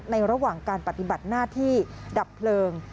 ระหว่างการปฏิบัติหน้าที่ดับเพลิง